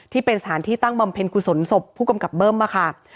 ที่เป็นสถานที่ตั้งบำเพ็ญกุศลศพผู้กำกับเบิ้มค่ะ